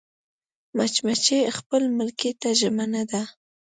مچمچۍ خپل ملکې ته ژمنه ده